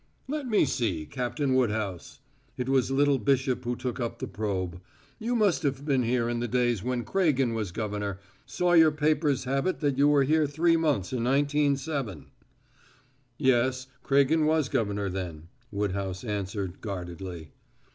"Let me see, Captain Woodhouse" it was little Bishop who took up the probe "you must have been here in the days when Craigen was governor saw your papers have it that you were here three months in nineteen seven." "Yes, Craigen was governor then," Woodhouse answered guardedly.